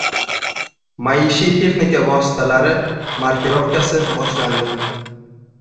Maishiy texnika vositalari markirovkasi boshlandi